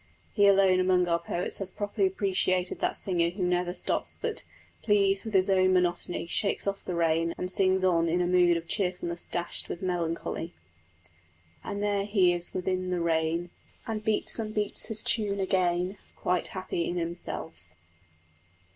He alone among our poets has properly appreciated that the singer who never stops, but, "pleased with his own monotony," shakes off the rain and sings on in a mood of cheerfulness dashed with melancholy: And there he is within the rain, And beats and beats his tune again, Quite happy in himself.